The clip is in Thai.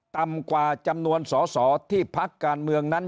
ต่ำกว่าจำนวนสอสอที่พักการเมืองนั้น